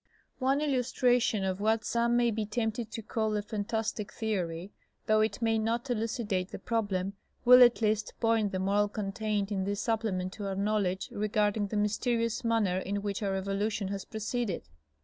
One illustration of what some may be tempted to call a fantastic theory, though it may not elucidate the problem, will at least point the moral contained in this supplement to our knowledge regarding the mysterious manner in which our evolution has proceeded.